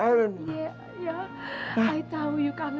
i juga tau papa